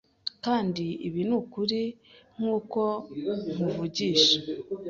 Kandi ibi ni ukuri nk'uko nkuvugisha